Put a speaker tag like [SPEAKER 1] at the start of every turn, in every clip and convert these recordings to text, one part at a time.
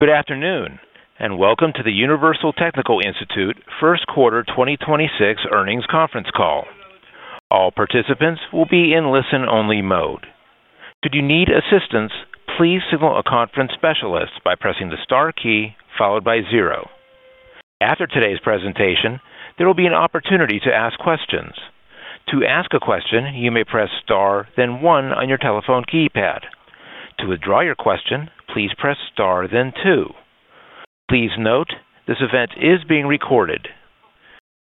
[SPEAKER 1] Good afternoon, and welcome to the Universal Technical Institute first quarter 2026 earnings conference call. All participants will be in listen-only mode. Should you need assistance, please signal a conference specialist by pressing the star key followed by zero. After today's presentation, there will be an opportunity to ask questions. To ask a question, you may press star, then one on your telephone keypad. To withdraw your question, please press star, then two. Please note, this event is being recorded.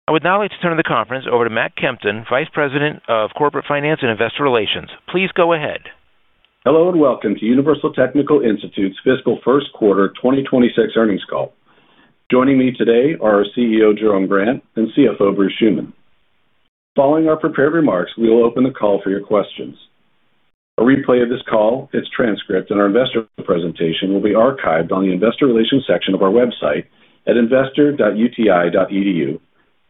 [SPEAKER 1] I would now like to turn the conference over to Matt Kempton, Vice President of Corporate Finance and Investor Relations. Please go ahead.
[SPEAKER 2] Hello, and welcome to Universal Technical Institute's fiscal first quarter 2026 earnings call. Joining me today are our CEO, Jerome Grant, and CFO, Bruce Schuman. Following our prepared remarks, we will open the call for your questions. A replay of this call, its transcript, and our investor presentation will be archived on the Investor Relations section of our website at investor.uti.edu,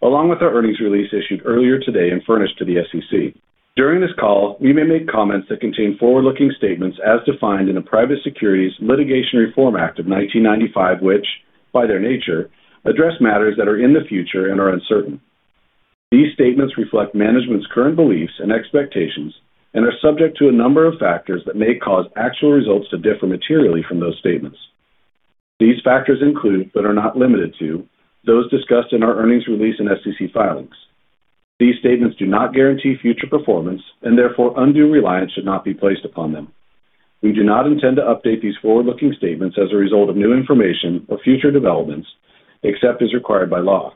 [SPEAKER 2] along with our earnings release issued earlier today and furnished to the SEC. During this call, we may make comments that contain forward-looking statements as defined in the Private Securities Litigation Reform Act of 1995, which, by their nature, address matters that are in the future and are uncertain. These statements reflect management's current beliefs and expectations and are subject to a number of factors that may cause actual results to differ materially from those statements. These factors include, but are not limited to, those discussed in our earnings release and SEC filings. These statements do not guarantee future performance, and therefore undue reliance should not be placed upon them. We do not intend to update these forward-looking statements as a result of new information or future developments, except as required by law.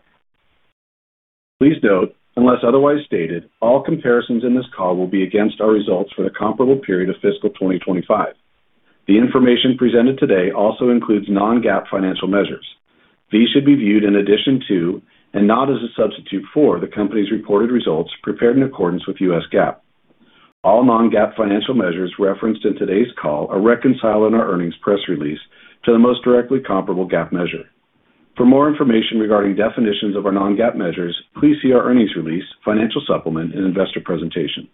[SPEAKER 2] Please note, unless otherwise stated, all comparisons in this call will be against our results for the comparable period of fiscal 2025. The information presented today also includes non-GAAP financial measures. These should be viewed in addition to, and not as a substitute for, the company's reported results prepared in accordance with US GAAP. All non-GAAP financial measures referenced in today's call are reconciled in our earnings press release to the most directly comparable GAAP measure. For more information regarding definitions of our non-GAAP measures, please see our earnings release, financial supplement, and investor presentation.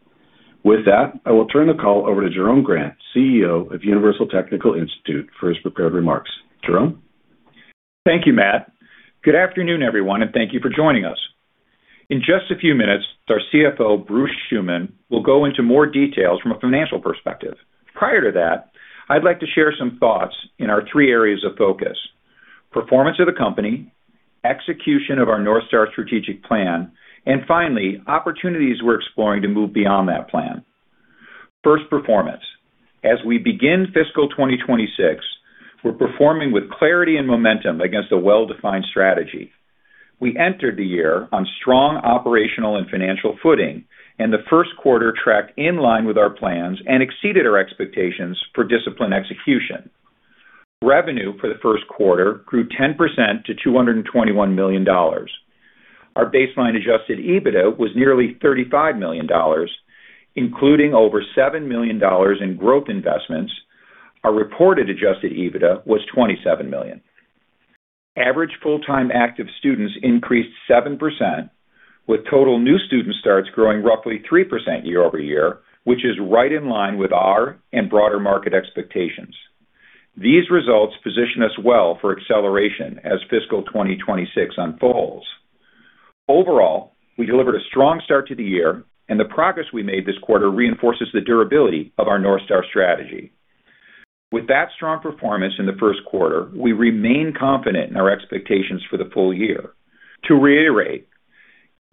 [SPEAKER 2] With that, I will turn the call over to Jerome Grant, CEO of Universal Technical Institute, for his prepared remarks. Jerome?
[SPEAKER 3] Thank you, Matt. Good afternoon, everyone, and thank you for joining us. In just a few minutes, our CFO, Bruce Schuman, will go into more details from a financial perspective. Prior to that, I'd like to share some thoughts in our three areas of focus: performance of the company, execution of our North Star strategic plan, and finally, opportunities we're exploring to move beyond that plan. First, performance. As we begin fiscal 2026, we're performing with clarity and momentum against a well-defined strategy. We entered the year on strong operational and financial footing, and the first quarter tracked in line with our plans and exceeded our expectations for disciplined execution. Revenue for the first quarter grew 10% to $221 million. Our baseline adjusted EBITDA was nearly $35 million, including over $7 million in growth investments. Our reported adjusted EBITDA was $27 million. Average full-time active students increased 7%, with total new student starts growing roughly 3% year-over-year, which is right in line with our and broader market expectations. These results position us well for acceleration as fiscal 2026 unfolds. Overall, we delivered a strong start to the year, and the progress we made this quarter reinforces the durability of our North Star strategy. With that strong performance in the first quarter, we remain confident in our expectations for the full year. To reiterate,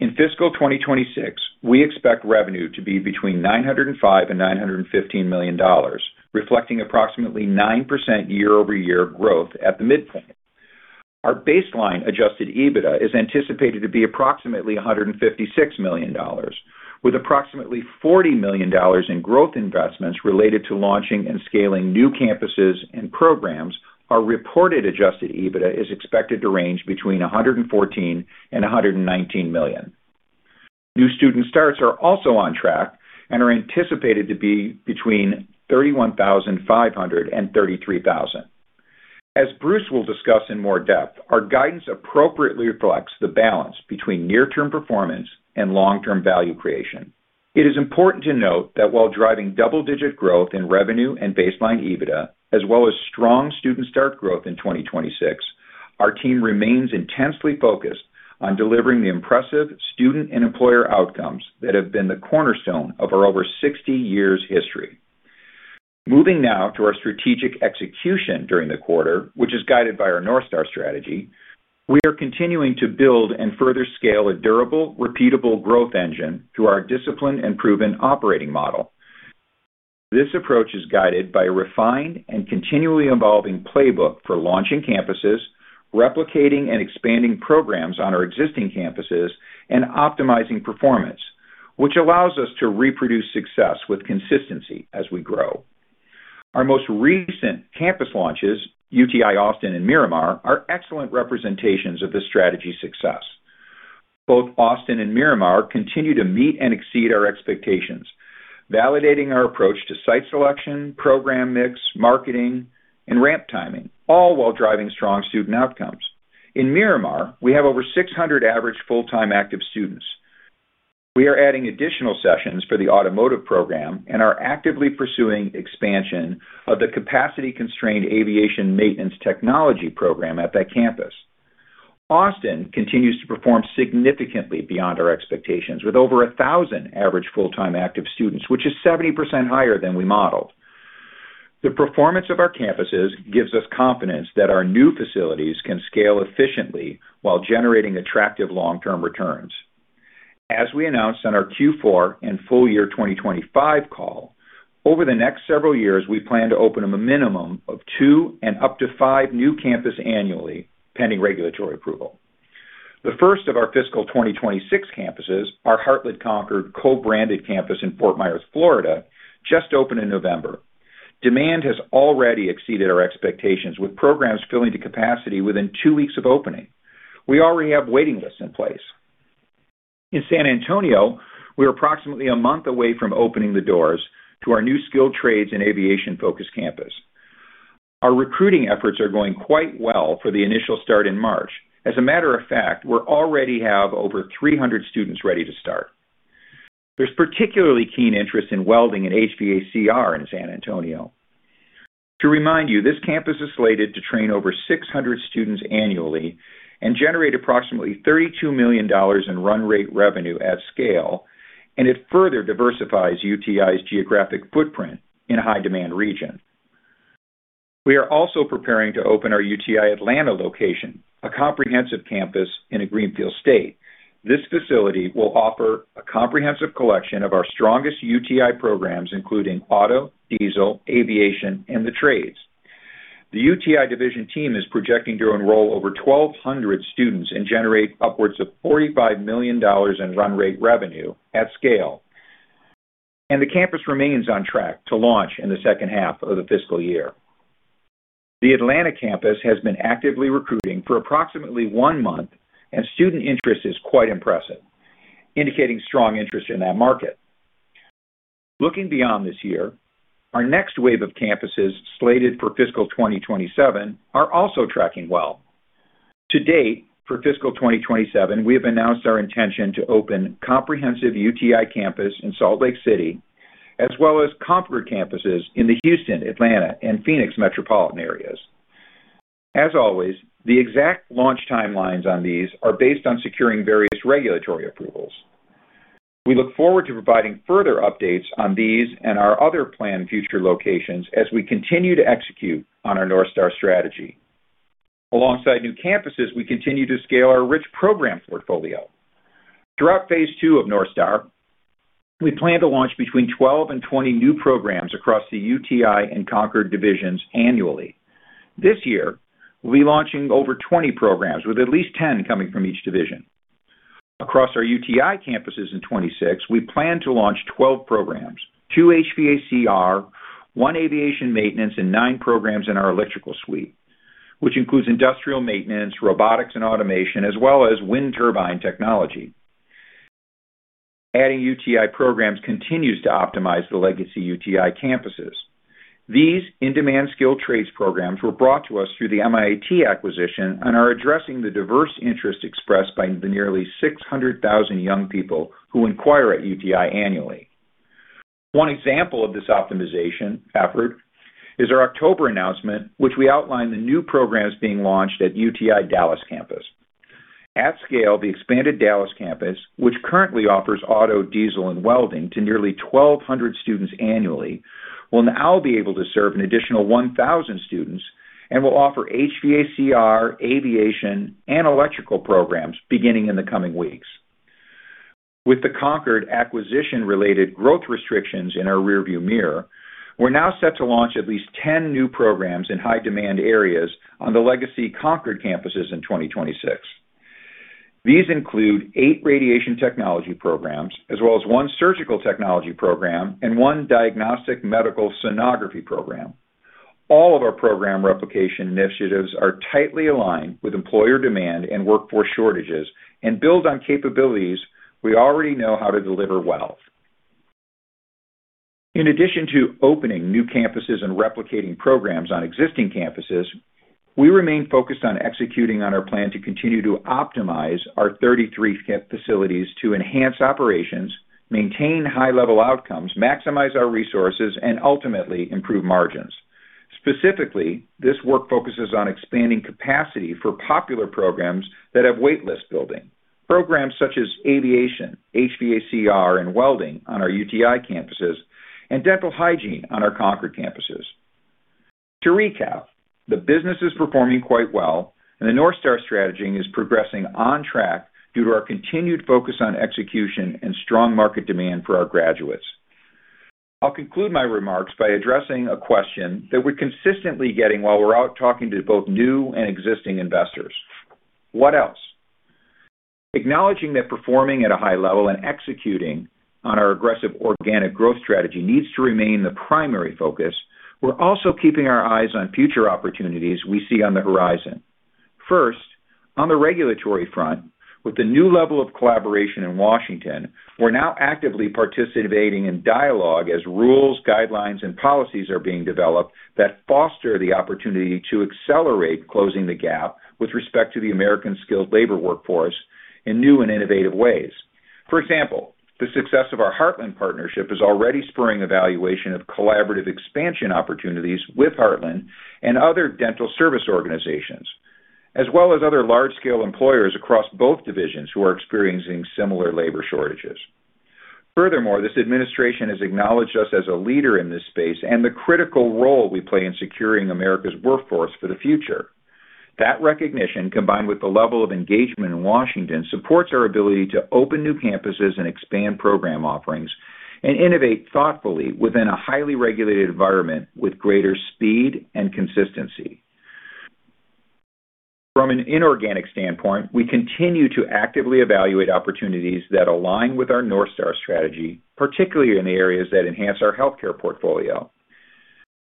[SPEAKER 3] in fiscal 2026, we expect revenue to be between $905 million and $915 million, reflecting approximately 9% year-over-year growth at the midpoint. Our baseline adjusted EBITDA is anticipated to be approximately $156 million, with approximately $40 million in growth investments related to launching and scaling new campuses and programs. Our reported adjusted EBITDA is expected to range between $114 million and $119 million. New student starts are also on track and are anticipated to be between 31,500 and 33,000. As Bruce will discuss in more depth, our guidance appropriately reflects the balance between near-term performance and long-term value creation. It is important to note that while driving double-digit growth in revenue and baseline EBITDA, as well as strong student start growth in 2026, our team remains intensely focused on delivering the impressive student and employer outcomes that have been the cornerstone of our over 60 years history. Moving now to our strategic execution during the quarter, which is guided by our North Star strategy, we are continuing to build and further scale a durable, repeatable growth engine through our disciplined and proven operating model. This approach is guided by a refined and continually evolving playbook for launching campuses, replicating and expanding programs on our existing campuses, and optimizing performance, which allows us to reproduce success with consistency as we grow. Our most recent campus launches, UTI Austin and Miramar, are excellent representations of this strategy's success. Both Austin and Miramar continue to meet and exceed our expectations, validating our approach to site selection, program mix, marketing, and ramp timing, all while driving strong student outcomes. In Miramar, we have over 600 average full-time active students… We are adding additional sessions for the automotive program and are actively pursuing expansion of the capacity-constrained Aviation Maintenance Technology program at that campus. Austin continues to perform significantly beyond our expectations, with over 1,000 average full-time active students, which is 70% higher than we modeled. The performance of our campuses gives us confidence that our new facilities can scale efficiently while generating attractive long-term returns. As we announced on our Q4 and full year 2025 call, over the next several years, we plan to open up a minimum of two and up to five new campus annually, pending regulatory approval. The first of our fiscal 2026 campuses, our Heartland Concorde co-branded campus in Fort Myers, Florida, just opened in November. Demand has already exceeded our expectations, with programs filling to capacity within two weeks of opening. We already have waiting lists in place. In San Antonio, we are approximately a month away from opening the doors to our new skilled trades and aviation-focused campus. Our recruiting efforts are going quite well for the initial start in March. As a matter of fact, we already have over 300 students ready to start. There's particularly keen interest in welding and HVACR in San Antonio. To remind you, this campus is slated to train over 600 students annually and generate approximately $32 million in run rate revenue at scale, and it further diversifies UTI's geographic footprint in a high-demand region. We are also preparing to open our UTI Atlanta location, a comprehensive campus in a greenfield state. This facility will offer a comprehensive collection of our strongest UTI programs, including Auto, Diesel, Aviation, and the Trades. The UTI division team is projecting to enroll over 1,200 students and generate upwards of $45 million in run rate revenue at scale, and the campus remains on track to launch in the second half of the fiscal year. The Atlanta campus has been actively recruiting for approximately one month, and student interest is quite impressive, indicating strong interest in that market. Looking beyond this year, our next wave of campuses, slated for fiscal 2027, are also tracking well. To date, for fiscal 2027, we have announced our intention to open comprehensive UTI campus in Salt Lake City, as well as Concorde campuses in the Houston, Atlanta, and Phoenix metropolitan areas. As always, the exact launch timelines on these are based on securing various regulatory approvals. We look forward to providing further updates on these and our other planned future locations as we continue to execute on our North Star strategy. Alongside new campuses, we continue to scale our rich program portfolio. Throughout phase two of North Star, we plan to launch between 12 and 20 new programs across the UTI and Concorde divisions annually. This year, we'll be launching over 20 programs, with at least 10 coming from each division. Across our UTI campuses in 26, we plan to launch 12 programs, two HVACR, one Aviation Maintenance, and 9 programs in our Electrical Suite, which includes Industrial Maintenance, Robotics & Automation, as well as Wind Turbine Technology. Adding UTI programs continues to optimize the legacy UTI campuses. These in-demand skilled trades programs were brought to us through the MIAT acquisition and are addressing the diverse interest expressed by the nearly 600,000 young people who inquire at UTI annually. One example of this optimization effort is our October announcement, which we outlined the new programs being launched at UTI Dallas campus. At scale, the expanded Dallas campus, which currently offers Auto, Diesel, and Welding to nearly 1,200 students annually, will now be able to serve an additional 1,000 students and will offer HVACR, Aviation, and Electrical programs beginning in the coming weeks. With the Concorde acquisition-related growth restrictions in our rearview mirror, we're now set to launch at least 10 new programs in high-demand areas on the legacy Concorde campuses in 2026. These include eight Radiation Technology programs, as well as one Surgical Technology program and one Diagnostic Medical Sonography program. All of our program replication initiatives are tightly aligned with employer demand and workforce shortages and build on capabilities we already know how to deliver well. In addition to opening new campuses and replicating programs on existing campuses, we remain focused on executing on our plan to continue to optimize our 33 facilities to enhance operations, maintain high-level outcomes, maximize our resources, and ultimately improve margins. Specifically, this work focuses on expanding capacity for popular programs that have wait list building, programs such as Aviation, HVACR, and Welding on our UTI campuses, and Dental Hygiene on our Concorde campuses. To recap, the business is performing quite well, and the North Star strategy is progressing on track due to our continued focus on execution and strong market demand for our graduates. I'll conclude my remarks by addressing a question that we're consistently getting while we're out talking to both new and existing investors: What else? Acknowledging that performing at a high level and executing on our aggressive organic growth strategy needs to remain the primary focus, we're also keeping our eyes on future opportunities we see on the horizon. First, on the regulatory front, with the new level of collaboration in Washington, we're now actively participating in dialogue as rules, guidelines, and policies are being developed that foster the opportunity to accelerate closing the gap with respect to the American skilled labor workforce in new and innovative ways. For example, the success of our Heartland partnership is already spurring evaluation of collaborative expansion opportunities with Heartland and other dental service organizations, as well as other large-scale employers across both divisions who are experiencing similar labor shortages. Furthermore, this administration has acknowledged us as a leader in this space and the critical role we play in securing America's workforce for the future. That recognition, combined with the level of engagement in Washington, supports our ability to open new campuses and expand program offerings and innovate thoughtfully within a highly regulated environment with greater speed and consistency. From an inorganic standpoint, we continue to actively evaluate opportunities that align with our North Star strategy, particularly in the areas that enhance our healthcare portfolio.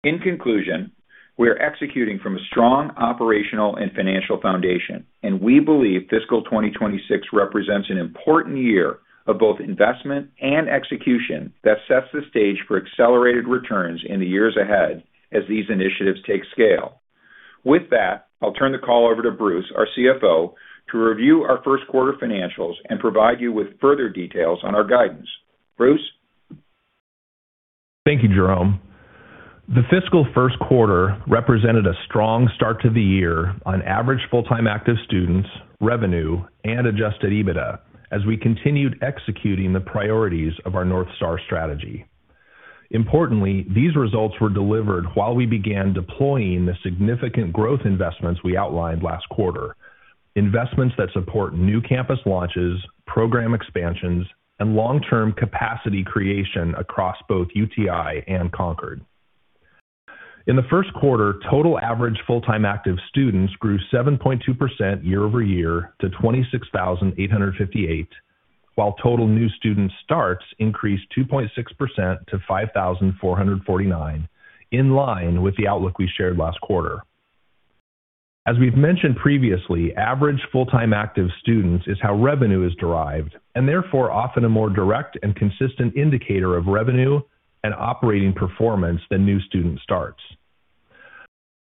[SPEAKER 3] In conclusion, we are executing from a strong operational and financial foundation, and we believe fiscal 2026 represents an important year of both investment and execution that sets the stage for accelerated returns in the years ahead as these initiatives take scale. With that, I'll turn the call over to Bruce, our CFO, to review our first quarter financials and provide you with further details on our guidance. Bruce?
[SPEAKER 4] Thank you, Jerome. The fiscal first quarter represented a strong start to the year on average full-time active students, revenue, and adjusted EBITDA as we continued executing the priorities of our North Star strategy. Importantly, these results were delivered while we began deploying the significant growth investments we outlined last quarter, investments that support new campus launches, program expansions, and long-term capacity creation across both UTI and Concorde. In the first quarter, total average full-time active students grew 7.2% year-over-year to 26,858, while total new student starts increased 2.6% to 5,449, in line with the outlook we shared last quarter. As we've mentioned previously, average full-time active students is how revenue is derived, and therefore often a more direct and consistent indicator of revenue and operating performance than new student starts.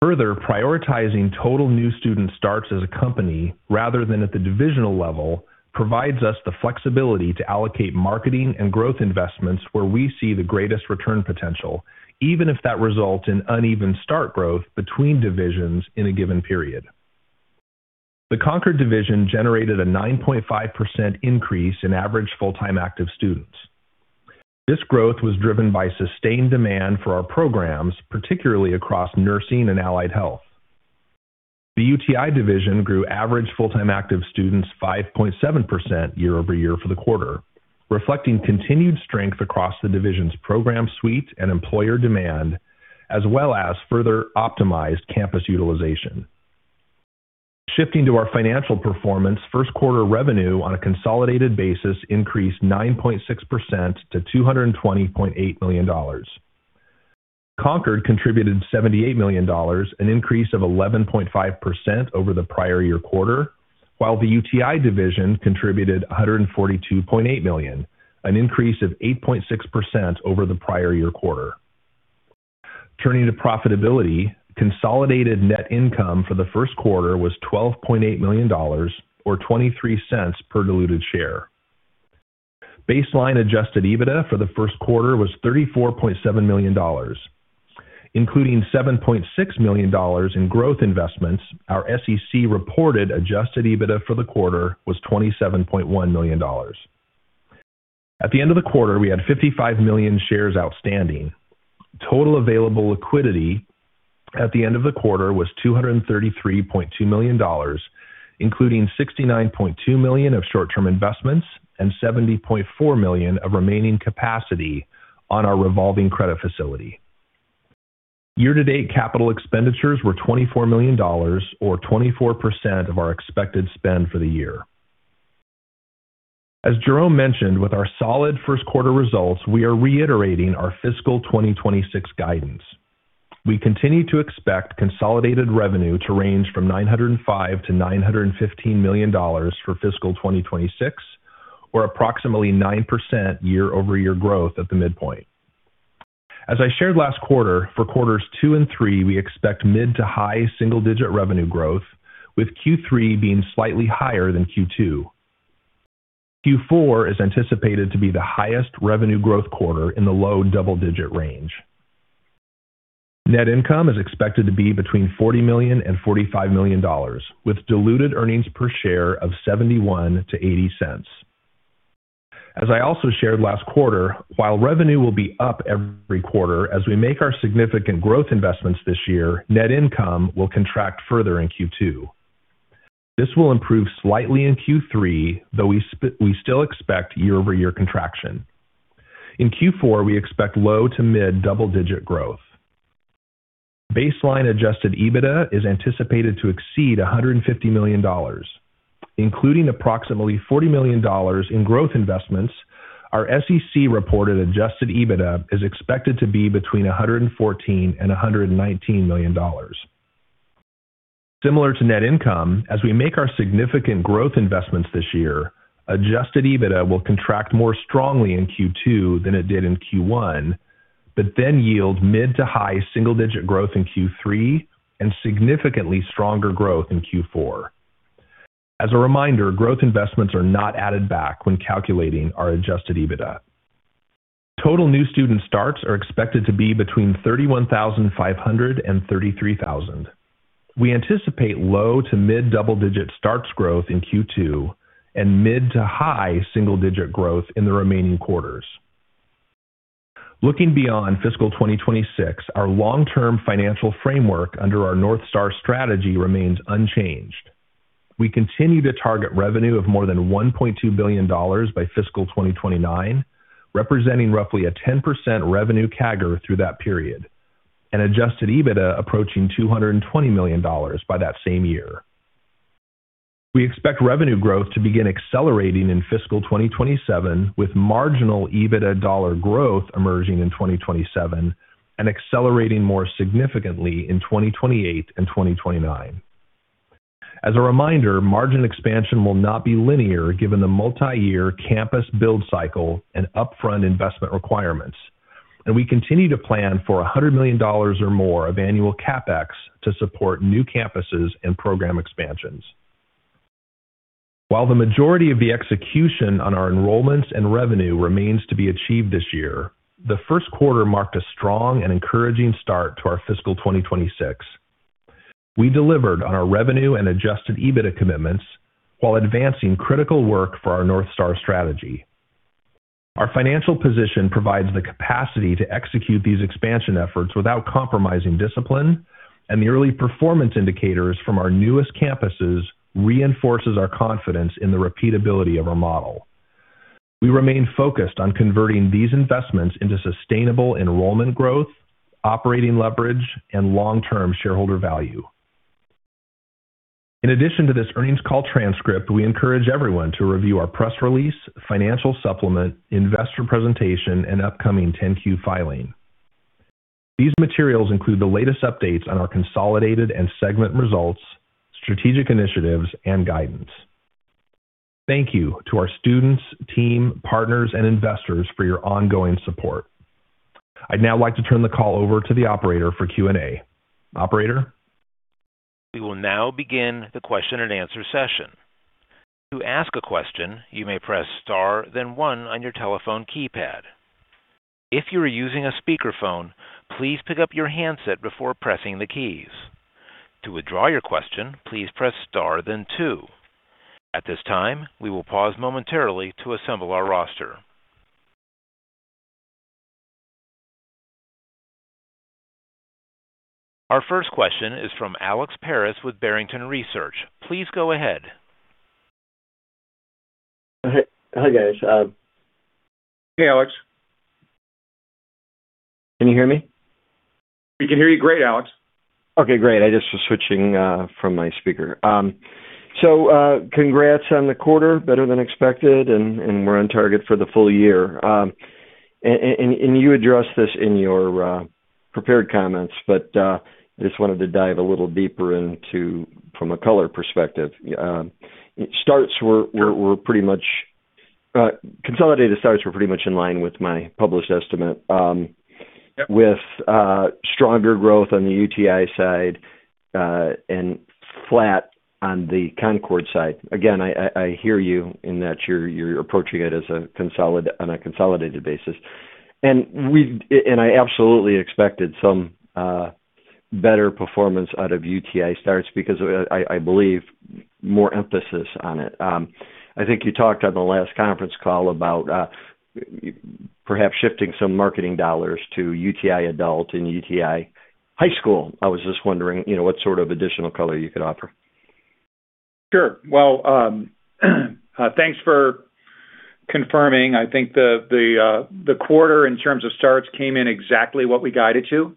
[SPEAKER 4] Further, prioritizing total new student starts as a company rather than at the divisional level, provides us the flexibility to allocate marketing and growth investments where we see the greatest return potential, even if that results in uneven start growth between divisions in a given period. The Concorde division generated a 9.5% increase in average full-time active students. This growth was driven by sustained demand for our programs, particularly across nursing and allied health. The UTI division grew average full-time active students 5.7% year-over-year for the quarter, reflecting continued strength across the division's program suite and employer demand, as well as further optimized campus utilization. Shifting to our financial performance, first quarter revenue on a consolidated basis increased 9.6% to $220.8 million. Concorde contributed $78 million, an increase of 11.5% over the prior year quarter, while the UTI division contributed $142.8 million, an increase of 8.6% over the prior year quarter. Turning to profitability, consolidated net income for the first quarter was $12.8 million, or $0.23 per diluted share. Baseline adjusted EBITDA for the first quarter was $34.7 million, including $7.6 million in growth investments. Our SEC-reported adjusted EBITDA for the quarter was $27.1 million. At the end of the quarter, we had 55 million shares outstanding. Total available liquidity at the end of the quarter was $233.2 million, including $69.2 million of short-term investments and $70.4 million of remaining capacity on our revolving credit facility. Year-to-date capital expenditures were $24 million, or 24% of our expected spend for the year. As Jerome mentioned, with our solid first quarter results, we are reiterating our fiscal 2026 guidance. We continue to expect consolidated revenue to range from $905 million-$915 million for fiscal 2026, or approximately 9% year-over-year growth at the midpoint. As I shared last quarter, for quarters two and three, we expect mid to high single-digit revenue growth, with Q3 being slightly higher than Q2. Q4 is anticipated to be the highest revenue growth quarter in the low double-digit range. Net income is expected to be between $40 million-$45 million, with diluted earnings per share of $0.71-$0.80. As I also shared last quarter, while revenue will be up every quarter, as we make our significant growth investments this year, net income will contract further in Q2. This will improve slightly in Q3, though we still expect year-over-year contraction. In Q4, we expect low- to mid-double-digit growth. Baseline adjusted EBITDA is anticipated to exceed $150 million, including approximately $40 million in growth investments; our SEC-reported adjusted EBITDA is expected to be between $114 million and $119 million. Similar to net income, as we make our significant growth investments this year, adjusted EBITDA will contract more strongly in Q2 than it did in Q1, but then yield mid- to high-single-digit growth in Q3 and significantly stronger growth in Q4. As a reminder, growth investments are not added back when calculating our adjusted EBITDA. Total new student starts are expected to be between 31,500 and 33,000. We anticipate low-to-mid double-digit starts growth in Q2 and mid-to-high single-digit growth in the remaining quarters. Looking beyond fiscal 2026, our long-term financial framework under our North Star strategy remains unchanged. We continue to target revenue of more than $1.2 billion by fiscal 2029, representing roughly a 10% revenue CAGR through that period, and adjusted EBITDA approaching $220 million by that same year. We expect revenue growth to begin accelerating in fiscal 2027, with marginal EBITDA dollar growth emerging in 2027 and accelerating more significantly in 2028 and 2029. As a reminder, margin expansion will not be linear, given the multi-year campus build cycle and upfront investment requirements, and we continue to plan for $100 million or more of annual CapEx to support new campuses and program expansions. While the majority of the execution on our enrollments and revenue remains to be achieved this year, the first quarter marked a strong and encouraging start to our fiscal 2026. We delivered on our revenue and adjusted EBITDA commitments while advancing critical work for our North Star strategy. Our financial position provides the capacity to execute these expansion efforts without compromising discipline, and the early performance indicators from our newest campuses reinforces our confidence in the repeatability of our model. We remain focused on converting these investments into sustainable enrollment growth, operating leverage, and long-term shareholder value. In addition to this earnings call transcript, we encourage everyone to review our press release, financial supplement, investor presentation, and upcoming 10-Q filing. These materials include the latest updates on our consolidated and segment results, strategic initiatives, and guidance. Thank you to our students, team, partners, and investors for your ongoing support. I'd now like to turn the call over to the operator for Q&A. Operator?
[SPEAKER 1] We will now begin the question-and-answer session. To ask a question, you may press star, then one on your telephone keypad. If you are using a speakerphone, please pick up your handset before pressing the keys. To withdraw your question, please press star then two. At this time, we will pause momentarily to assemble our roster. Our first question is from Alex Paris with Barrington Research. Please go ahead.
[SPEAKER 5] Hi, guys.
[SPEAKER 3] Hey, Alex.
[SPEAKER 5] Can you hear me?
[SPEAKER 3] We can hear you great, Alex.
[SPEAKER 5] Okay, great. I just was switching from my speaker. So, congrats on the quarter, better than expected, and we're on target for the full year. And you addressed this in your prepared comments, but just wanted to dive a little deeper into from a color perspective. Consolidated starts were pretty much in line with my published estimate.
[SPEAKER 4] Yep ...
[SPEAKER 5] with stronger growth on the UTI side, and flat on the Concorde side. Again, I hear you in that you're approaching it as a consolidated basis. And I absolutely expected some better performance out of UTI starts because I believe more emphasis on it. I think you talked on the last conference call about perhaps shifting some marketing dollars to UTI adult and UTI high school. I was just wondering, you know, what sort of additional color you could offer.
[SPEAKER 3] Sure. Well, thanks for confirming. I think the quarter, in terms of starts, came in exactly what we guided to,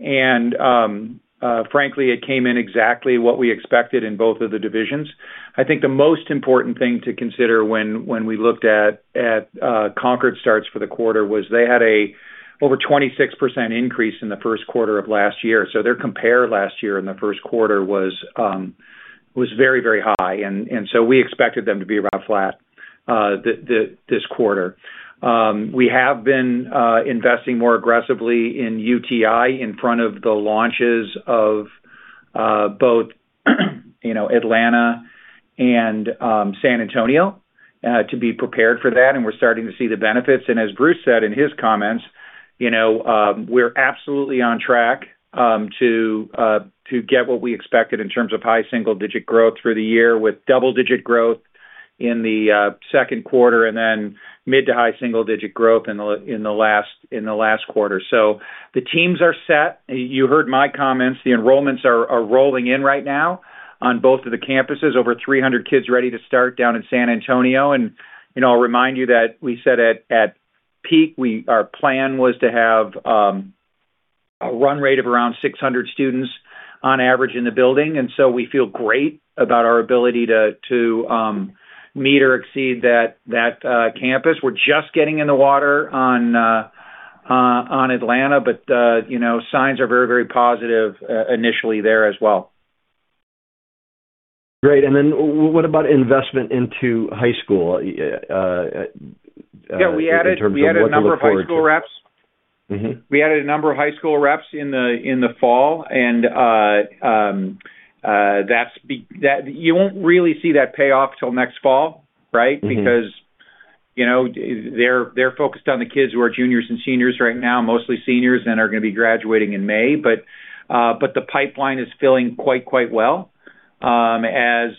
[SPEAKER 3] and, frankly, it came in exactly what we expected in both of the divisions. I think the most important thing to consider when we looked at Concorde starts for the quarter was they had over 26% increase in the first quarter of last year. So their compare last year in the first quarter was very, very high, and so we expected them to be about flat, this quarter. We have been investing more aggressively in UTI in front of the launches of, both, you know, Atlanta and San Antonio, to be prepared for that, and we're starting to see the benefits. As Bruce said in his comments, you know, we're absolutely on track to get what we expected in terms of high single-digit growth through the year, with double-digit growth in the second quarter and then mid to high single-digit growth in the last quarter. So the teams are set. You heard my comments. The enrollments are rolling in right now on both of the campuses. Over 300 kids ready to start down in San Antonio. And, you know, I'll remind you that we said at peak, our plan was to have a run rate of around 600 students on average in the building. And so we feel great about our ability to meet or exceed that campus. We're just getting in the water on Atlanta, but you know, signs are very, very positive initially there as well....
[SPEAKER 5] Great. What about investment into high school?
[SPEAKER 3] Yeah, we added-
[SPEAKER 5] In terms of what to look forward to.
[SPEAKER 3] We added a number of high school reps.
[SPEAKER 5] Mm-hmm.
[SPEAKER 3] We added a number of high school reps in the fall, and that's. You won't really see that pay off till next fall, right?
[SPEAKER 5] Mm-hmm.
[SPEAKER 3] Because, you know, they're focused on the kids who are juniors and seniors right now, mostly seniors, and are gonna be graduating in May. But the pipeline is filling quite well as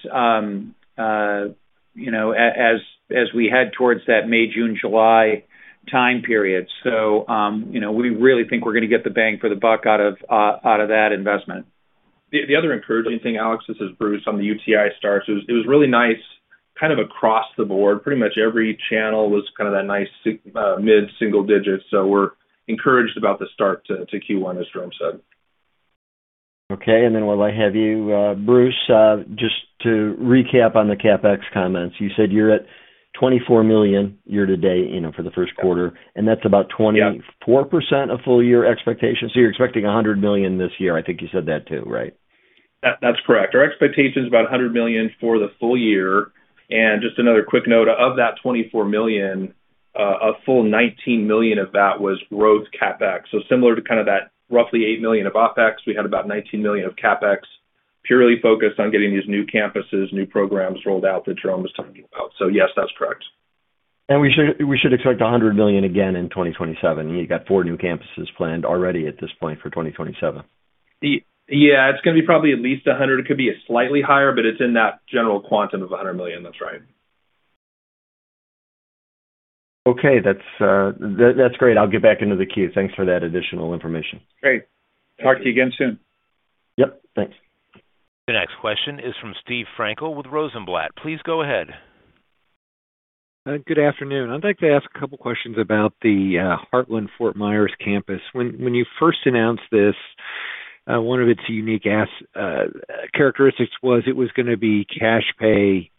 [SPEAKER 3] we head towards that May, June, July time period. So, you know, we really think we're gonna get the bang for the buck out of that investment.
[SPEAKER 4] The other encouraging thing, Alex, this is Bruce, on the UTI starts, is it was really nice kind of across the board. Pretty much every channel was kind of that nice, mid-single digits, so we're encouraged about the start to Q1, as Jerome said.
[SPEAKER 5] Okay, and then while I have you, Bruce, just to recap on the CapEx comments. You said you're at $24 million year-to-date, you know, for the first quarter-
[SPEAKER 4] Yeah.
[SPEAKER 5] and that's about 24% of full year expectations? So you're expecting $100 million this year. I think you said that too, right?
[SPEAKER 4] That's correct. Our expectation is about $100 million for the full year. And just another quick note, of that $24 million, a full $19 million of that was growth CapEx. So similar to kind of that roughly $8 million of OpEx, we had about $19 million of CapEx, purely focused on getting these new campuses, new programs rolled out that Jerome was talking about. So yes, that's correct.
[SPEAKER 5] We should expect $100 million again in 2027. You've got four new campuses planned already at this point for 2027.
[SPEAKER 4] Yeah, it's gonna be probably at least $100 million. It could be slightly higher, but it's in that general quantum of $100 million. That's right.
[SPEAKER 5] Okay. That's, that's great. I'll get back into the queue. Thanks for that additional information.
[SPEAKER 4] Great.
[SPEAKER 3] Thank you.
[SPEAKER 4] Talk to you again soon.
[SPEAKER 5] Yep, thanks.
[SPEAKER 1] The next question is from Steve Frankel with Rosenblatt. Please go ahead.
[SPEAKER 6] Good afternoon. I'd like to ask a couple questions about the Heartland Fort Myers campus. When you first announced this, one of its unique characteristics was it was gonna be cash pay,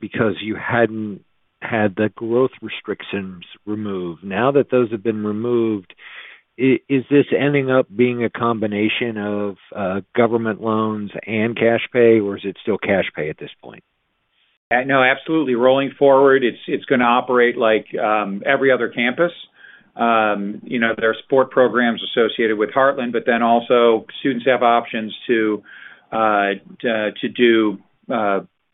[SPEAKER 6] because you hadn't had the growth restrictions removed. Now that those have been removed, is this ending up being a combination of government loans and cash pay, or is it still cash pay at this point?
[SPEAKER 3] No, absolutely. Rolling forward, it's gonna operate like every other campus. You know, there are support programs associated with Heartland, but then also students have options to do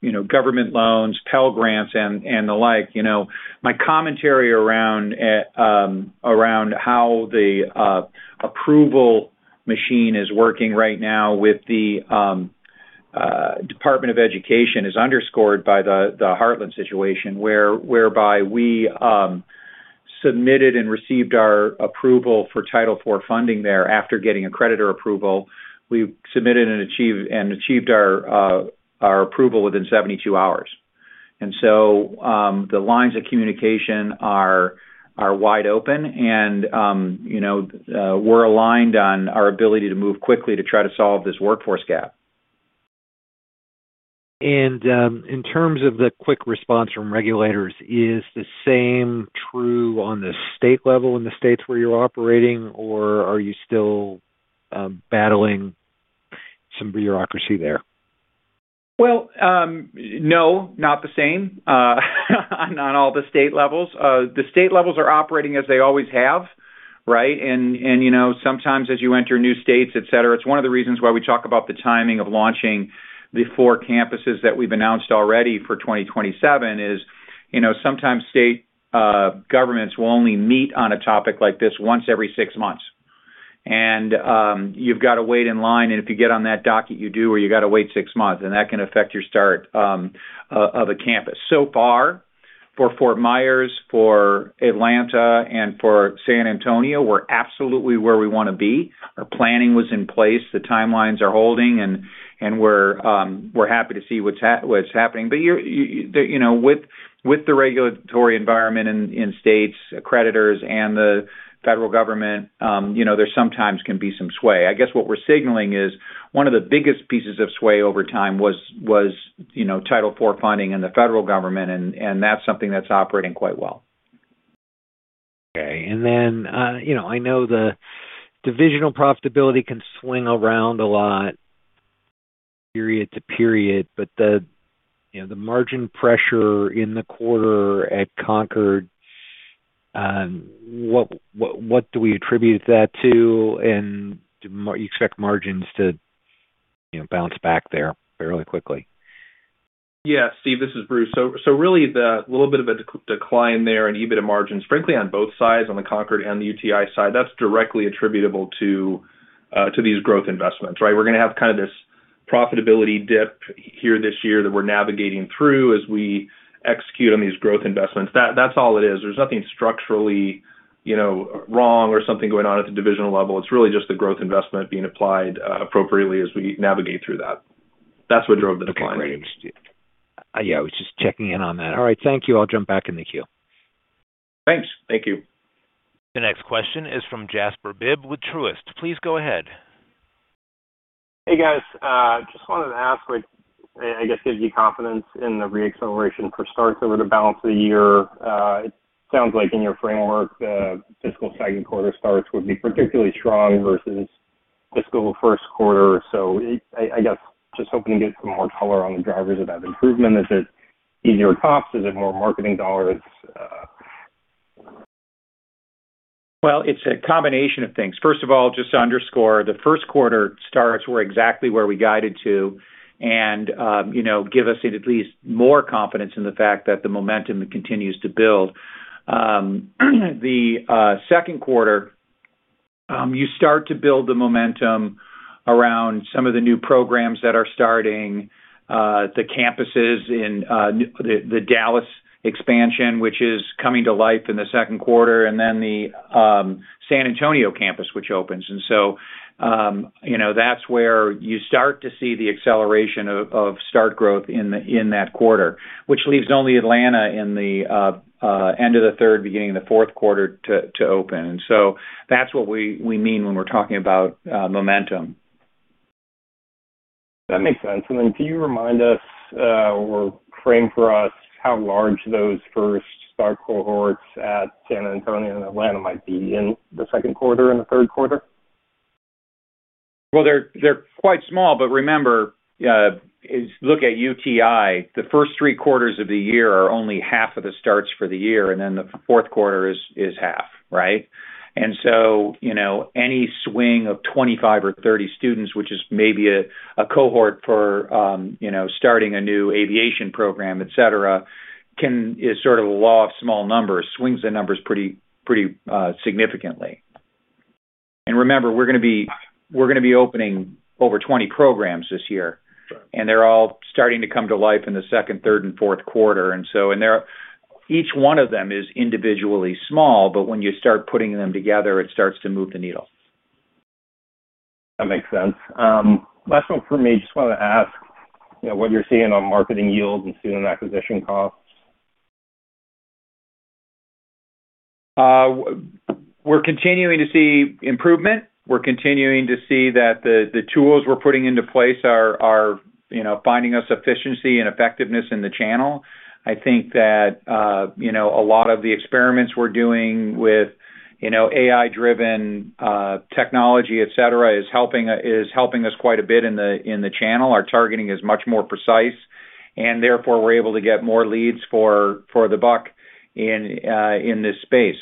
[SPEAKER 3] you know government loans, Pell Grants, and the like. You know, my commentary around how the approval machine is working right now with the Department of Education is underscored by the Heartland situation, whereby we submitted and received our approval for Title IV funding there, after getting accreditor approval. We submitted and achieved our approval within 72 hours. And so, the lines of communication are wide open and you know, we're aligned on our ability to move quickly to try to solve this workforce gap.
[SPEAKER 6] In terms of the quick response from regulators, is the same true on the state level in the states where you're operating, or are you still battling some bureaucracy there?
[SPEAKER 3] Well, no, not the same, not all the state levels. The state levels are operating as they always have, right? And, you know, sometimes as you enter new states, et cetera, it's one of the reasons why we talk about the timing of launching the four campuses that we've announced already for 2027 is, you know, sometimes state governments will only meet on a topic like this once every six months. And, you've got to wait in line, and if you get on that docket, you do, or you gotta wait six months, and that can affect your start of a campus. So far, for Fort Myers, for Atlanta, and for San Antonio, we're absolutely where we want to be. Our planning was in place, the timelines are holding, and, we're happy to see what's happening. But you know, with the regulatory environment in states, accreditors and the federal government, you know, there sometimes can be some sway. I guess what we're signaling is one of the biggest pieces of sway over time was you know, Title IV funding and the federal government, and that's something that's operating quite well.
[SPEAKER 6] Okay. And then, you know, I know the divisional profitability can swing around a lot period to period, but the, you know, the margin pressure in the quarter at Concorde, what do we attribute that to, and do you expect margins to, you know, bounce back there fairly quickly?
[SPEAKER 4] Yeah, Steve, this is Bruce. So really the little bit of a decline there in EBITDA margins, frankly, on both sides, on the Concorde and the UTI side, that's directly attributable to these growth investments, right? We're gonna have kind of this profitability dip here this year that we're navigating through as we execute on these growth investments. That's all it is. There's nothing structurally, you know, wrong or something going on at the divisional level. It's really just the growth investment being applied appropriately as we navigate through that. That's what drove the decline.
[SPEAKER 6] Okay, great. Yeah, I was just checking in on that. All right, thank you. I'll jump back in the queue.
[SPEAKER 4] Thanks. Thank you.
[SPEAKER 1] The next question is from Jasper Bibb with Truist. Please go ahead.
[SPEAKER 7] Hey, guys, just wanted to ask, like, I guess, gives you confidence in the reacceleration for starts over the balance of the year. It sounds like in your framework, the fiscal second quarter starts would be particularly strong versus fiscal first quarter. So I guess, just hoping to get some more color on the drivers of that improvement. Is it easier costs? Is it more marketing dollars?
[SPEAKER 3] Well, it's a combination of things. First of all, just to underscore, the first quarter starts were exactly where we guided to, and, you know, give us at least more confidence in the fact that the momentum continues to build. The second quarter, you start to build the momentum around some of the new programs that are starting, the campuses in the Dallas expansion, which is coming to life in the second quarter, and then the San Antonio campus, which opens. And so, you know, that's where you start to see the acceleration of start growth in that quarter, which leaves only Atlanta in the end of the third, beginning of the fourth quarter to open. So that's what we mean when we're talking about momentum.
[SPEAKER 7] That makes sense. And then can you remind us, or frame for us how large those first start cohorts at San Antonio and Atlanta might be in the second quarter and the third quarter?
[SPEAKER 3] Well, they're quite small, but remember, look at UTI. The first three quarters of the year are only half of the starts for the year, and then the fourth quarter is half, right? And so, you know, any swing of 25 or 30 students, which is maybe a cohort for you know, starting a new Aviation program, et cetera, is sort of a law of small numbers, swings the numbers pretty significantly. And remember, we're gonna be opening over 20 programs this year.
[SPEAKER 7] Sure.
[SPEAKER 3] And they're all starting to come to life in the second, third, and fourth quarter. And so they're each one of them is individually small, but when you start putting them together, it starts to move the needle.
[SPEAKER 7] That makes sense. Last one for me. Just wanted to ask, you know, what you're seeing on marketing yield and student acquisition costs.
[SPEAKER 3] We're continuing to see improvement. We're continuing to see that the tools we're putting into place are, you know, finding us efficiency and effectiveness in the channel. I think that, you know, a lot of the experiments we're doing with, you know, AI-driven technology, et cetera, is helping us quite a bit in the channel. Our targeting is much more precise, and therefore, we're able to get more leads for the buck in this space.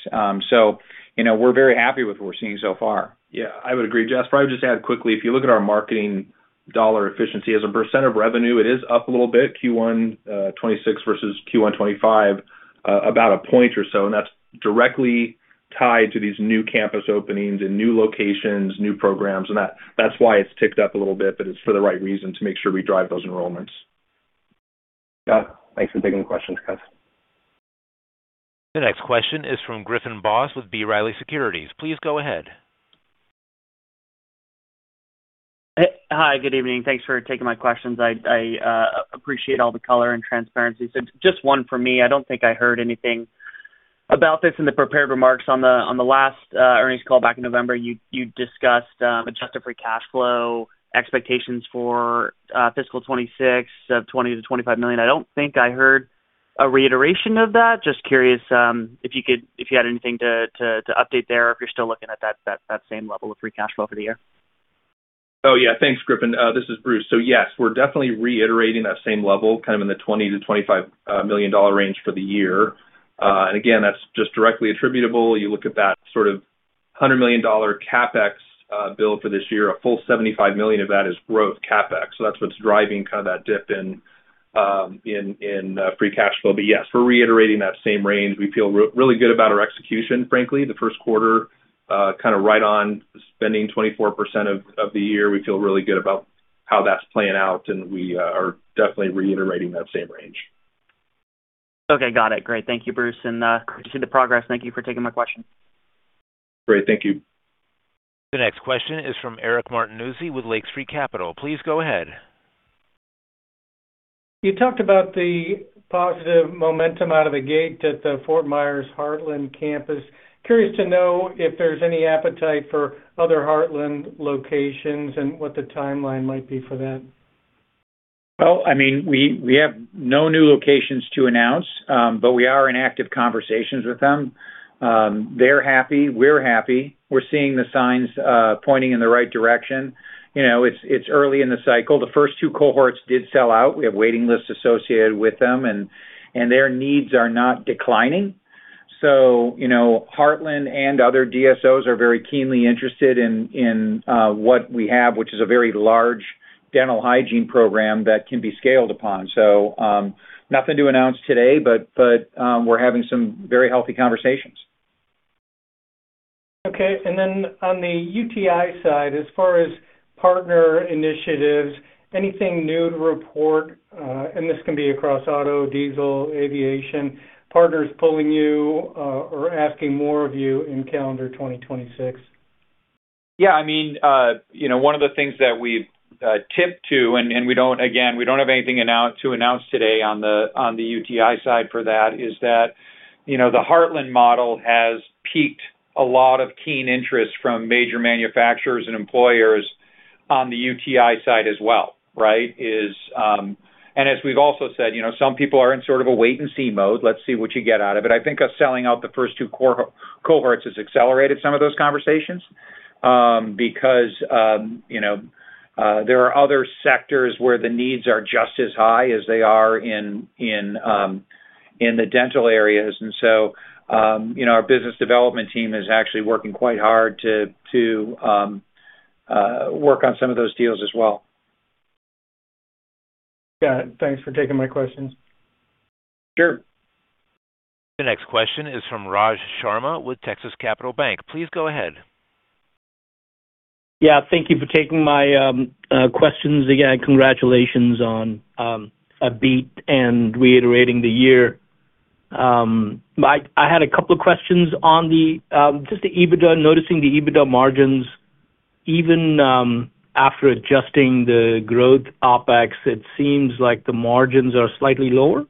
[SPEAKER 3] So, you know, we're very happy with what we're seeing so far.
[SPEAKER 4] Yeah, I would agree, Jeff. I would just add quickly, if you look at our marketing dollar efficiency as a percent of revenue, it is up a little bit, Q1 2026 versus Q1 2025, about a point or so, and that's directly tied to these new campus openings and new locations, new programs, and that's why it's ticked up a little bit, but it's for the right reason, to make sure we drive those enrollments.
[SPEAKER 7] Yeah. Thanks for taking the questions, guys.
[SPEAKER 1] The next question is from Griffin Boss with B. Riley Securities. Please go ahead.
[SPEAKER 8] Hi, good evening. Thanks for taking my questions. I appreciate all the color and transparency. So just one for me. I don't think I heard anything about this in the prepared remarks. On the last earnings call back in November, you discussed adjusted free cash flow expectations for fiscal 2026 of $20 million-$25 million. I don't think I heard a reiteration of that. Just curious if you could, if you had anything to update there, or if you're still looking at that same level of free cash flow for the year.
[SPEAKER 4] Oh, yeah. Thanks, Griffin. This is Bruce. So yes, we're definitely reiterating that same level, kind of in the $20 million-$25 million range for the year. And again, that's just directly attributable. You look at that sort of $100 million CapEx bill for this year, a full $75 million of that is growth CapEx. So that's what's driving kind of that dip in free cash flow. But yes, we're reiterating that same range. We feel really good about our execution, frankly. The first quarter, kind of right on spending 24% of the year. We feel really good about how that's playing out, and we are definitely reiterating that same range.
[SPEAKER 8] Okay, got it. Great. Thank you, Bruce, and good to see the progress. Thank you for taking my question.
[SPEAKER 4] Great. Thank you.
[SPEAKER 1] The next question is from Eric Martinuzzi with Lake Street Capital. Please go ahead.
[SPEAKER 9] You talked about the positive momentum out of the gate at the Fort Myers Heartland campus. Curious to know if there's any appetite for other Heartland locations and what the timeline might be for that?
[SPEAKER 3] Well, I mean, we have no new locations to announce, but we are in active conversations with them. They're happy, we're happy. We're seeing the signs pointing in the right direction. You know, it's early in the cycle. The first two cohorts did sell out. We have waiting lists associated with them, and their needs are not declining. So, you know, Heartland and other DSOs are very keenly interested in what we have, which is a very large dental hygiene program that can be scaled upon. So, nothing to announce today, but we're having some very healthy conversations.
[SPEAKER 9] Okay. And then on the UTI side, as far as partner initiatives, anything new to report, and this can be across auto, diesel, aviation, partners pulling you, or asking more of you in calendar 2026?
[SPEAKER 3] Yeah, I mean, you know, one of the things that we've tipped to, and we don't... Again, we don't have anything to announce today on the UTI side for that, is that, you know, the Heartland model has piqued a lot of keen interest from major manufacturers and employers on the UTI side as well, right? And as we've also said, you know, some people are in sort of a wait-and-see mode. Let's see what you get out of it. I think us selling out the first two cohorts has accelerated some of those conversations... because you know, there are other sectors where the needs are just as high as they are in the dental areas. And so, you know, our business development team is actually working quite hard to work on some of those deals as well.
[SPEAKER 9] Got it. Thanks for taking my questions.
[SPEAKER 3] Sure.
[SPEAKER 1] The next question is from Raj Sharma with Texas Capital Bank. Please go ahead.
[SPEAKER 10] Yeah, thank you for taking my questions. Again, congratulations on a beat and reiterating the year. I had a couple of questions on just the EBITDA, noticing the EBITDA margins, even after adjusting the growth OpEx, it seems like the margins are slightly lower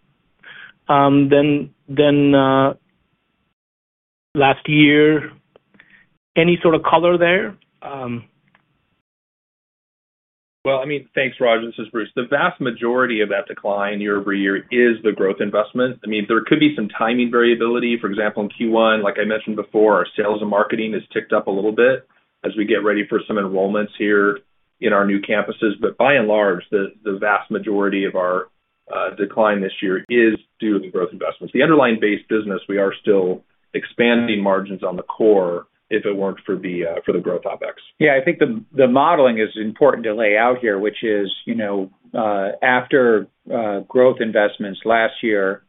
[SPEAKER 10] than last year. Any sort of color there?
[SPEAKER 4] Well, I mean, thanks, Raj. This is Bruce. The vast majority of that decline year-over-year is the growth investment. I mean, there could be some timing variability. For example, in Q1, like I mentioned before, our sales and marketing is ticked up a little bit as we get ready for some enrollments here in our new campuses. But by and large, the vast majority of our decline this year is due to the growth investments. The underlying base business, we are still expanding margins on the core if it weren't for the growth OpEx.
[SPEAKER 3] Yeah, I think the modeling is important to lay out here, which is, you know, after growth investments last year,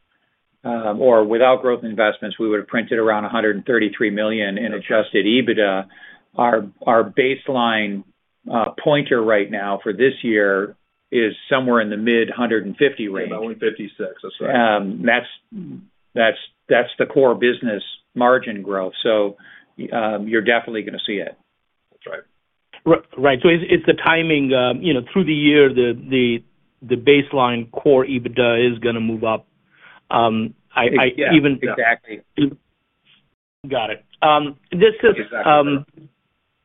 [SPEAKER 3] or without growth investments, we would have printed around $133 million in adjusted EBITDA. Our baseline print right now for this year is somewhere in the mid-150 range.
[SPEAKER 4] About 156, that's right.
[SPEAKER 3] That's the core business margin growth. So, you're definitely gonna see it.
[SPEAKER 4] That's right.
[SPEAKER 10] Right. So it's the timing, you know, through the year, the baseline core EBITDA is gonna move up. I-
[SPEAKER 3] Yeah.
[SPEAKER 10] Even-
[SPEAKER 3] Exactly.
[SPEAKER 10] Got it.
[SPEAKER 3] Exactly.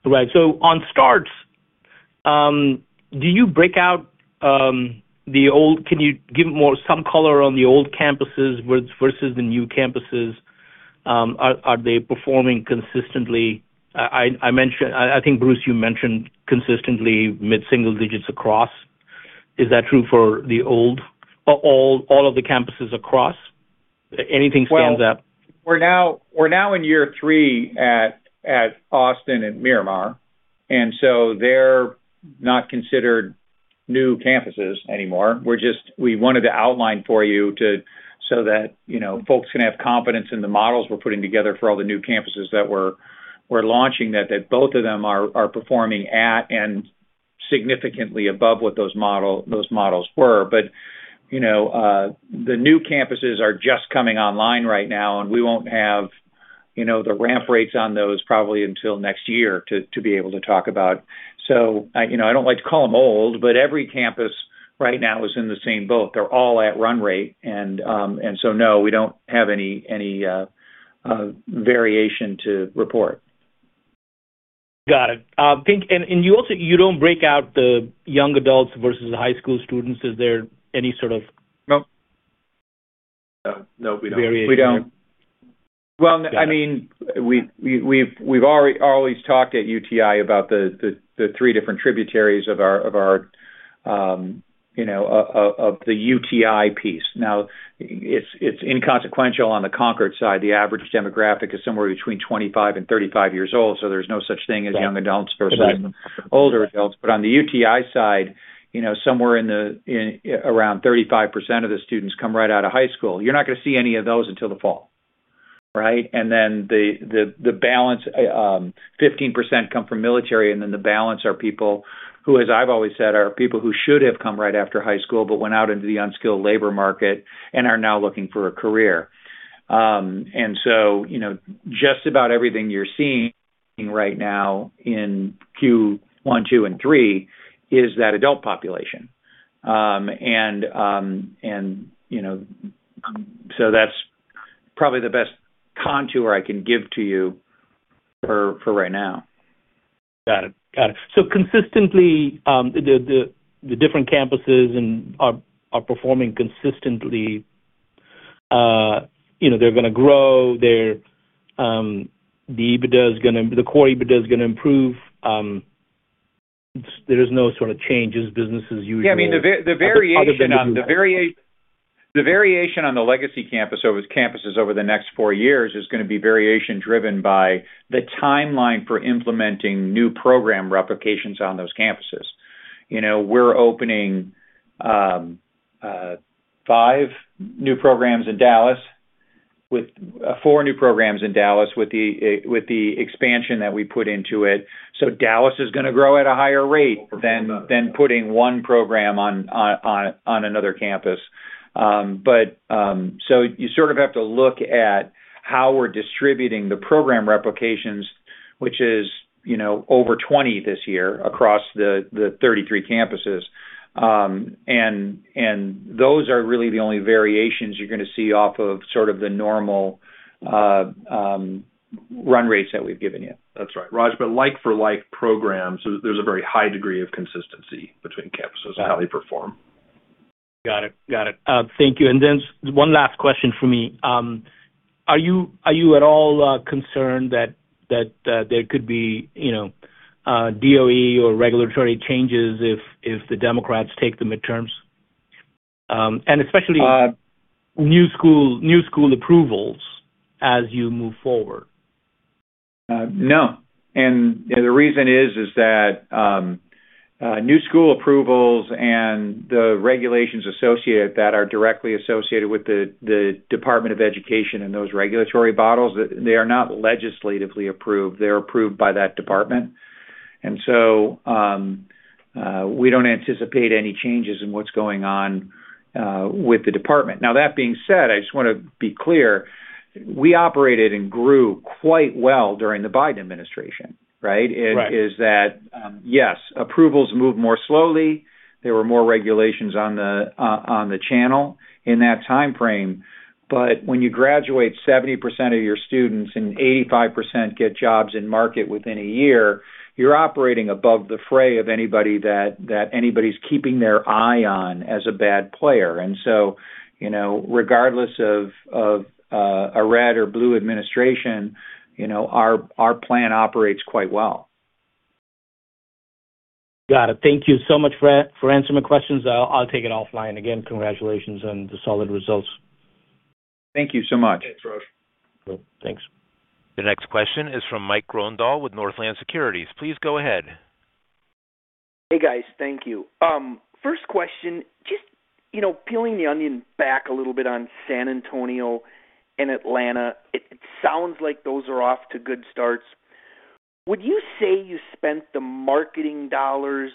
[SPEAKER 10] Right. So on starts, do you break out the old? Can you give more, some color on the old campuses with versus the new campuses? Are they performing consistently? I mentioned—I think, Bruce, you mentioned consistently mid-single digits across. Is that true for the old, all of the campuses across? Anything stands out?
[SPEAKER 3] Well, we're now in year three at Austin and Miramar, and so they're not considered new campuses anymore. We're just—we wanted to outline for you so that, you know, folks can have confidence in the models we're putting together for all the new campuses that we're launching, that both of them are performing at and significantly above what those models were. But, you know, the new campuses are just coming online right now, and we won't have, you know, the ramp rates on those probably until next year to be able to talk about. So, you know, I don't like to call them old, but every campus right now is in the same boat. They're all at run rate. And so, no, we don't have any variation to report.
[SPEAKER 10] Got it. I think, and you also, you don't break out the young adults versus the high school students. Is there any sort of-
[SPEAKER 3] Nope.
[SPEAKER 4] No. No, we don't.
[SPEAKER 10] Variation.
[SPEAKER 3] We don't. Well, I mean, we've always talked at UTI about the three different tributaries of our, of our, you know, of the UTI piece. Now, it's inconsequential on the Concorde side. The average demographic is somewhere between 25 and 35 years old, so there's no such thing as-
[SPEAKER 10] Yeah...
[SPEAKER 3] young adults versus older adults. But on the UTI side, you know, somewhere in the, in around 35% of the students come right out of high school. You're not gonna see any of those until the fall, right? And then the balance, 15% come from military, and then the balance are people who, as I've always said, are people who should have come right after high school, but went out into the unskilled labor market and are now looking for a career. And so, you know, just about everything you're seeing right now in Q1, Q2, and Q3 is that adult population. And, you know, so that's probably the best contour I can give to you for right now.
[SPEAKER 10] Got it. Got it. So consistently, the different campuses are performing consistently, you know, they're gonna grow, the EBITDA is gonna... The core EBITDA is gonna improve. There's no sort of change. It's business as usual.
[SPEAKER 3] Yeah, I mean, the variation on-
[SPEAKER 10] Other than-
[SPEAKER 3] The variation on the legacy campuses over the next four years is gonna be variation driven by the timeline for implementing new program replications on those campuses. You know, we're opening five new programs in Dallas with four new programs in Dallas with the expansion that we put into it. So Dallas is gonna grow at a higher rate than putting one program on another campus. But so you sort of have to look at how we're distributing the program replications, which is, you know, over 20 this year across the 33 campuses. And those are really the only variations you're gonna see off of sort of the normal run rates that we've given you.
[SPEAKER 4] That's right, Raj. But like for like programs, there's a very high degree of consistency between campuses-
[SPEAKER 3] Yeah
[SPEAKER 4] and how they perform. ...
[SPEAKER 10] Got it. Got it. Thank you. And then one last question for me. Are you at all concerned that there could be, you know, DOE or regulatory changes if the Democrats take the midterms? And especially-
[SPEAKER 3] Uh.
[SPEAKER 10] New school, new school approvals as you move forward?
[SPEAKER 3] No. And the reason is that new school approvals and the regulations associated with that are directly associated with the Department of Education and those regulatory bottlenecks. They are not legislatively approved. They're approved by that department. And so we don't anticipate any changes in what's going on with the department. Now, that being said, I just wanna be clear, we operated and grew quite well during the Biden administration, right?
[SPEAKER 10] Right.
[SPEAKER 3] Yes, approvals moved more slowly. There were more regulations on the channel in that time frame. But when you graduate 70% of your students and 85% get jobs in market within a year, you're operating above the fray of anybody that anybody's keeping their eye on as a bad player. And so, you know, regardless of a red or blue administration, you know, our plan operates quite well.
[SPEAKER 10] Got it. Thank you so much for answering my questions. I'll take it offline. Again, congratulations on the solid results.
[SPEAKER 3] Thank you so much.
[SPEAKER 4] Thanks, Raj.
[SPEAKER 10] Thanks.
[SPEAKER 1] The next question is from Mike Grondahl with Northland Securities. Please go ahead.
[SPEAKER 11] Hey, guys. Thank you. First question, just, you know, peeling the onion back a little bit on San Antonio and Atlanta, it sounds like those are off to good starts. Would you say you spent the marketing dollars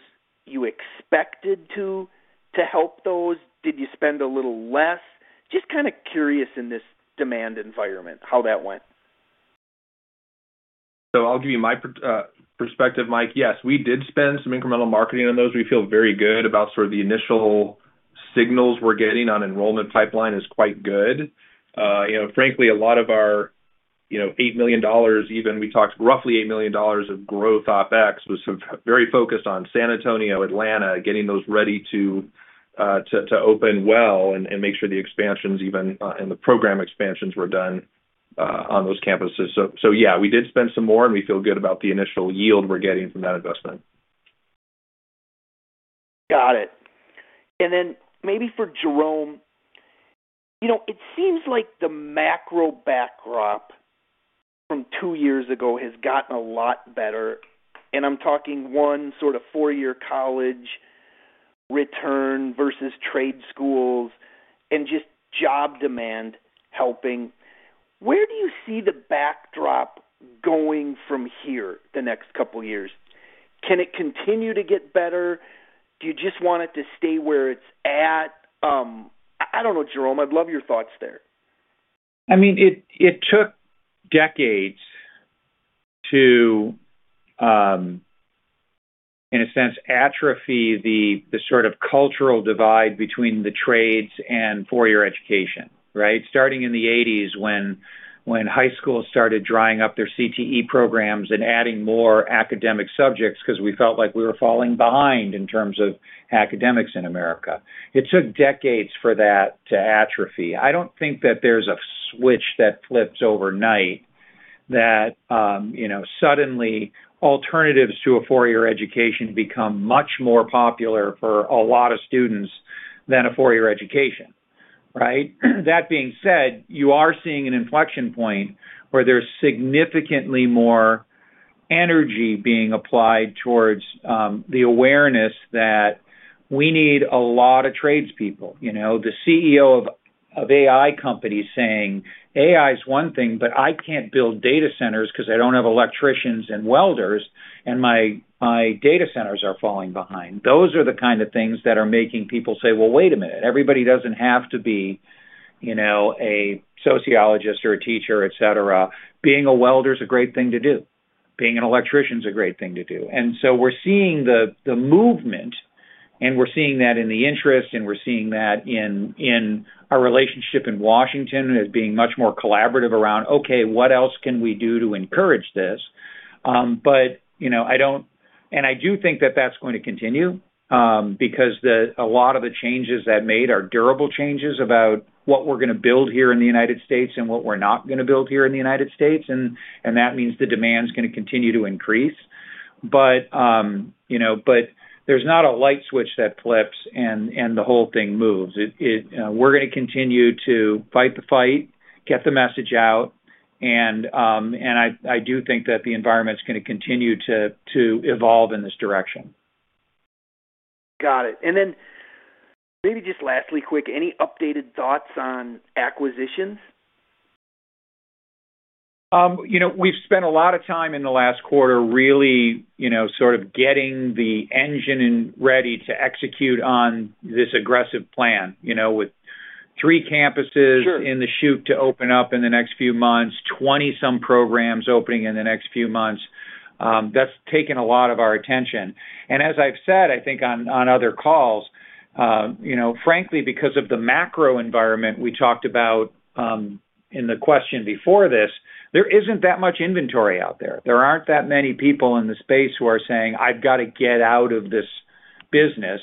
[SPEAKER 11] you expected to, to help those? Did you spend a little less? Just kinda curious in this demand environment, how that went.
[SPEAKER 4] So I'll give you my perspective, Mike. Yes, we did spend some incremental marketing on those. We feel very good about sort of the initial signals we're getting on enrollment pipeline is quite good. You know, frankly, a lot of our, you know, $8 million even. We talked roughly $8 million of growth OpEx, was sort of very focused on San Antonio, Atlanta, getting those ready to open well and make sure the expansions even and the program expansions were done on those campuses. So, so yeah, we did spend some more, and we feel good about the initial yield we're getting from that investment.
[SPEAKER 11] Got it. And then maybe for Jerome, you know, it seems like the macro backdrop from two years ago has gotten a lot better, and I'm talking one sort of four-year college return versus trade schools and just job demand helping. Where do you see the backdrop going from here the next couple of years? Can it continue to get better? Do you just want it to stay where it's at? I don't know, Jerome. I'd love your thoughts there.
[SPEAKER 3] I mean, it took decades to, in a sense, atrophy the sort of cultural divide between the trades and four-year education, right? starting in the 1980s, when high school started drying up their CTE programs and adding more academic subjects, 'cause we felt like we were falling behind in terms of academics in America. It took decades for that to atrophy. I don't think that there's a switch that flips overnight, that you know, suddenly alternatives to a four-year education become much more popular for a lot of students than a four-year education, right? That being said, you are seeing an inflection point where there's significantly more energy being applied towards the awareness that we need a lot of tradespeople. You know, the CEO of, of AI company saying, "AI is one thing, but I can't build data centers 'cause I don't have electricians and welders, and my, my data centers are falling behind." Those are the kind of things that are making people say, "Well, wait a minute. Everybody doesn't have to be, you know, a sociologist or a teacher, et cetera. Being a welder is a great thing to do. Being an electrician is a great thing to do." And so we're seeing the movement, and we're seeing that in the interest, and we're seeing that in our relationship in Washington as being much more collaborative around, "Okay, what else can we do to encourage this?" But, you know, I don't-- And I do think that that's going to continue, because a lot of the changes that made are durable changes about what we're gonna build here in the United States and what we're not gonna build here in the United States, and that means the demand is gonna continue to increase. But, you know, but there's not a light switch that flips and the whole thing moves. It... We're gonna continue to fight the fight, get the message out, and I do think that the environment's gonna continue to evolve in this direction.
[SPEAKER 11] Got it. Then maybe just lastly, quick, any updated thoughts on acquisitions?
[SPEAKER 3] You know, we've spent a lot of time in the last quarter really, you know, sort of getting the engine in, ready to execute on this aggressive plan. You know, with three campuses-
[SPEAKER 11] Sure.
[SPEAKER 3] in the chute to open up in the next few months, 20-some programs opening in the next few months, that's taken a lot of our attention. And as I've said, I think on other calls, you know, frankly, because of the macro environment we talked about, in the question before this, there isn't that much inventory out there. There aren't that many people in the space who are saying, "I've got to get out of this business,"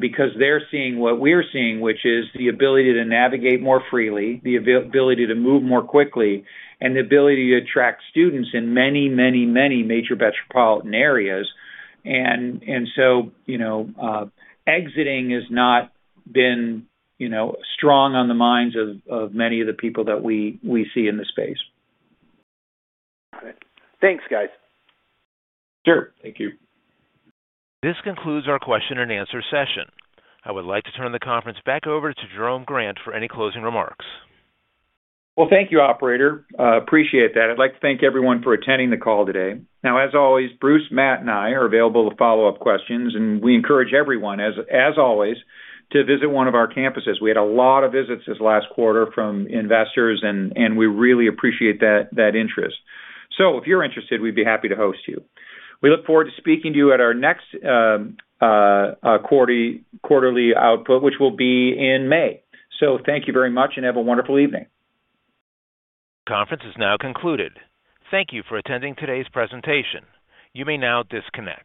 [SPEAKER 3] because they're seeing what we're seeing, which is the ability to navigate more freely, the availability to move more quickly, and the ability to attract students in many, many, many major metropolitan areas. And so, you know, exiting has not been, you know, strong on the minds of many of the people that we see in the space.
[SPEAKER 11] Got it. Thanks, guys.
[SPEAKER 3] Sure.
[SPEAKER 4] Thank you.
[SPEAKER 1] This concludes our question and answer session. I would like to turn the conference back over to Jerome Grant for any closing remarks.
[SPEAKER 3] Well, thank you, operator. Appreciate that. I'd like to thank everyone for attending the call today. Now, as always, Bruce, Matt, and I are available to follow up questions, and we encourage everyone, as always, to visit one of our campuses. We had a lot of visits this last quarter from investors, and we really appreciate that interest. So if you're interested, we'd be happy to host you. We look forward to speaking to you at our next quarterly output, which will be in May. So thank you very much and have a wonderful evening.
[SPEAKER 1] Conference is now concluded. Thank you for attending today's presentation. You may now disconnect.